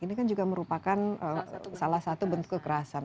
ini kan juga merupakan salah satu bentuk kekerasan